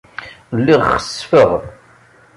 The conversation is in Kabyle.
Lliɣ xessfeɣ.